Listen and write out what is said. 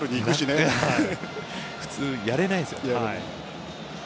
普通やれないですよ。